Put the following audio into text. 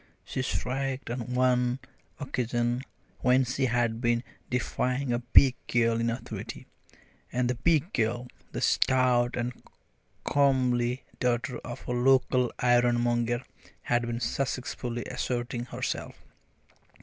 she shrieked on one occasion when she had been defying a big girl in authority, and the big girl the stout and comely daughter of a local ironmonger had been successfully asserting herself.